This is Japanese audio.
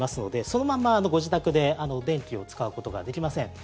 そのままご自宅で電気を使うことができません。